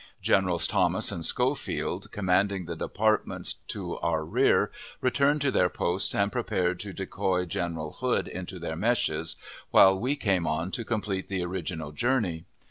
Generals Thomas and Schofield, commanding the departments to our rear, returned to their posts and prepared to decoy General Hood into their meshes, while we came on to complete the original journey.